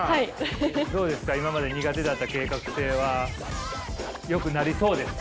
どうですか今まで苦手だった計画性はよくなりそうですか。